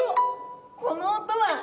この音は。